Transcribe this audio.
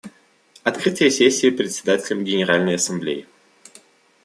Открытие сессии Председателем Генеральной Ассамблеи.